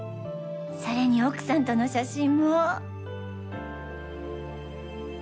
それに奥さんとの写真も。